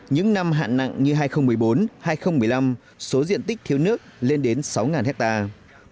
những năm hạn nặng như hai nghìn một mươi bốn hai nghìn một mươi năm số diện tích thiếu nước lên đến sáu hectare